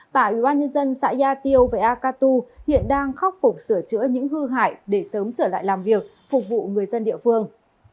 tại ubnd xã gia tiêu và akatu hiện đang khắc phục sửa chữa những hư hại để sớm trở lại làm việc phục vụ người dân địa phương